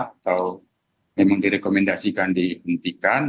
atau memang direkomendasikan dihentikan